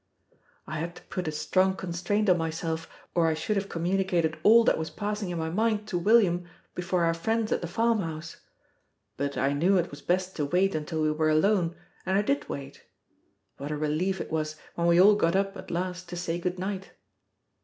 I had to put a strong constraint on myself, or I should have communicated all that was passing in my mind to William before our friends at the farmhouse. But I knew it was best to wait until we were alone, and I did wait. What a relief it was when we all got up at last to say good night!